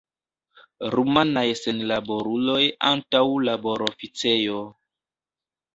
Rumanaj senlaboruloj antaŭ laboroficejo.